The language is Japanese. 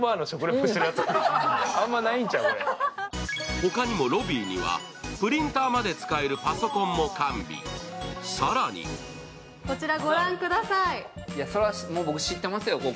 他にもロビーにはプリンターまで使えるパソコンも完備、更にこちらご覧ください。